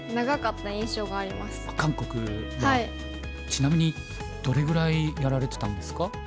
ちなみにどれぐらいやられてたんですか？